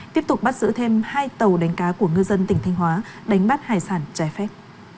tiếp tục bắt giữ thêm hai tàu đánh cá của ngư dân tỉnh thanh hóa đánh bắt hải sản trái phép